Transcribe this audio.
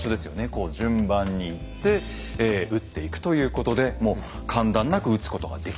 こう順番に行って撃っていくということでもう間断なく撃つことができるという。